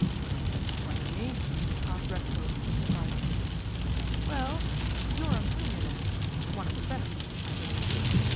'What do you mean?' asked Racksole, mystified. 'Well, you're a millionaire "one of the best", I believe.